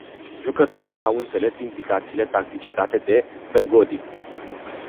Jucătorii n-au înțeles indicațiile tactice date de Bergodi.